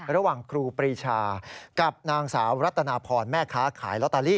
ระหว่างครูปรีชากับนางสาวรัตนพรแม่ค้าขายลอตารี่